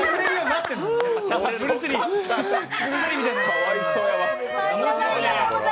かわいそうや。